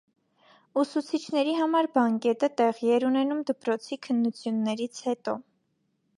Ուսուցիչների համար բանկետը տեղի էր ունենում դպրոցի քննություններից հետո։